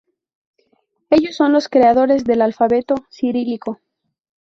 Ellos son los creadores del alfabeto cirílico.